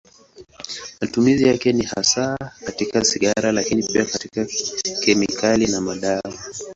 Matumizi yake ni hasa katika sigara, lakini pia katika kemikali na madawa.